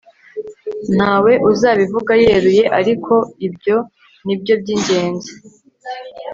ntawe uzabivuga yeruye, ariko ibyo nibyo byingenzi